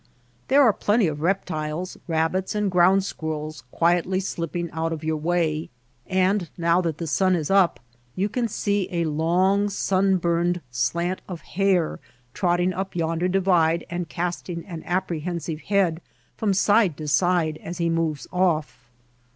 * There are plenty of reptiles, rabbits and ground squirrels quietly slipping out of your way ; and now that the sun is up you can see a long sun burned slant of hair trotting up yonder divide and casting an appre hensive head from side to side as he moves off.